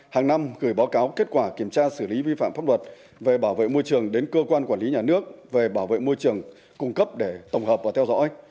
hàng năm gửi báo cáo kết quả kiểm tra xử lý vi phạm pháp luật về bảo vệ môi trường đến cơ quan quản lý nhà nước về bảo vệ môi trường cung cấp để tổng hợp và theo dõi